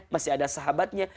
masih ada sahabatnya